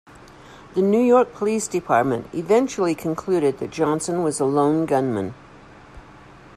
The New York Police Department eventually concluded that Johnson was a lone gunman.